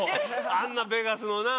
あんなベガスのな